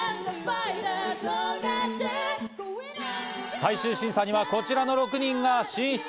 最終審査には、こちらの６人が進出。